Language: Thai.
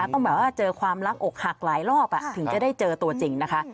ต้องแบบว่าเจอความรักอกหักหลายรอบถึงจะได้เจอตัวจริงนะคะ